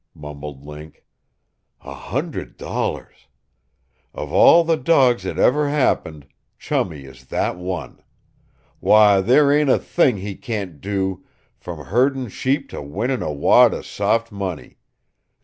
mumbled Link. "A hundred dollars! Of all the dawgs that ever happened, Chummie is that one! Why, there ain't a thing he can't do, from herdin' sheep to winnin' a wad of soft money!